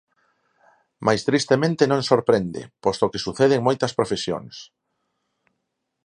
Mais tristemente non sorprende, posto que sucede en moitas profesións.